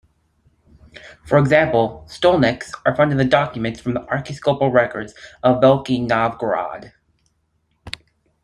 For example, "stolniks" are found in documents from the archiepiscopal records in Veliky Novgorod.